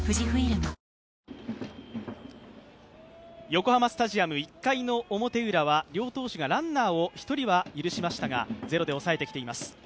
横浜スタジアム１回の表ウラは両投手がランナーを１人は許しましたが、０で抑えています。